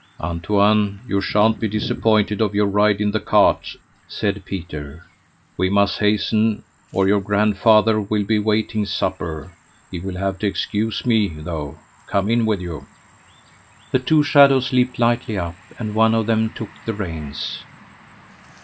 "Antoine, you sha'n't be disappointed of your ride in the cart," said Peter; "we must hasten, or your grandfather will be waiting supper. He will have to excuse me, though. Come, in with you." The two shadows leaped lightly up, and one of them took the reins.